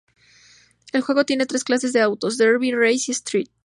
El juego tiene tres clases de autos: derby, race, y street.